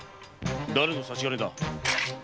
だれの差し金だ。